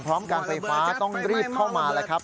พร้อมการไฟฟ้าต้องรีบเข้ามาแล้วครับ